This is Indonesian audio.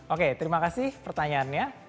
oke terima kasih pertanyaannya